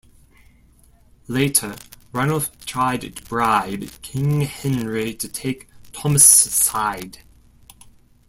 Later, Ranulf tried to bribe King Henry to take Thomas' side.